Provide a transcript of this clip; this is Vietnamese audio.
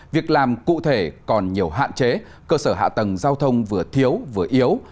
việc làm cụ thể còn nhiều hạn chế cơ sở hạ tầng giao thông vừa thiếu vừa yếu